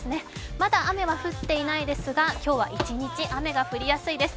まだ雨は降っていないですが、今日は一日雨が降りやすいです。